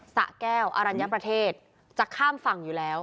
สะแก้วอรัญญประเทศจะข้ามฝั่งอยู่แล้ว